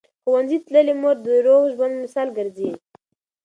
ښوونځې تللې مور د روغ ژوند مثال ګرځي.